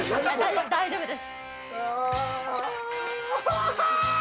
大丈夫です。